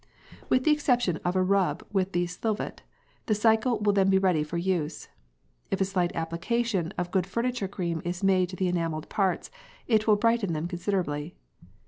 With the exception of a rub with the "selvyt" the cycle will then be ready for use. If a slight application of a good furniture cream is made to the enamelled parts, it will brighten them considerably.